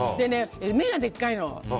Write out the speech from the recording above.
目がでっかいの。